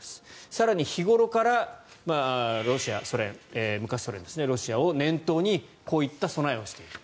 更に日頃からロシア昔はソ連を念頭にこういった備えをしている。